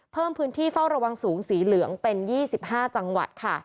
เพิ่มพื้นที่เฝ้าระวังสูงสีเหลืองเป็น๒๕จังหวัดค่ะ